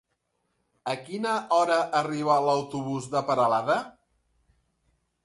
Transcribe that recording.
A quina hora arriba l'autobús de Peralada?